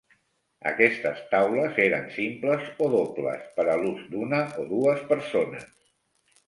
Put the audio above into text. Aquestes taules eren simples o dobles per a l'ús d'una o dues persones.